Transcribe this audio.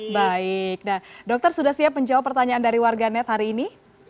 baik dokter sudah siap menjawab pertanyaan dari warganet hari ini